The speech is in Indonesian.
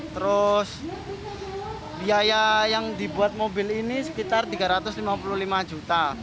terus biaya yang dibuat mobil ini sekitar rp tiga ratus lima puluh lima juta